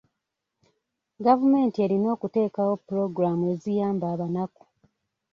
Gavumenti erina okuteekawo pulogulaamu eziyamba abanaku.